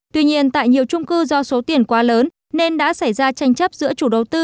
tuy nhiên tại nhiều trung cư do số tiền quá lớn nên đã xảy ra tranh chấp giữa chủ đầu tư